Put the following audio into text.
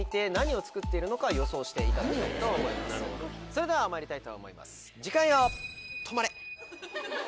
それではまいりたいと思います。